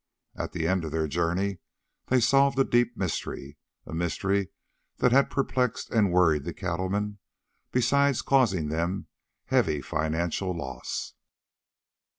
At the end of their journey, they solved a deep mystery a mystery that had perplexed and worried the cattle men, besides causing them heavy financial loss.